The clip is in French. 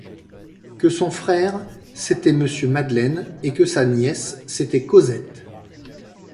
Que son frère, c’était Monsieur Madeleine, et que sa nièce, c’était Cosette.